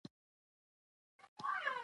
هېواد د بې نظمۍ په سین کې لاهو و.